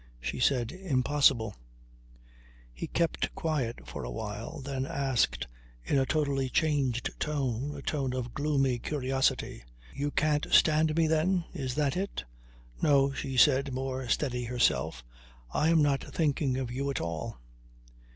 She said: "Impossible." He kept quiet for a while, then asked in a totally changed tone, a tone of gloomy curiosity: "You can't stand me then? Is that it?" "No," she said, more steady herself. "I am not thinking of you at all."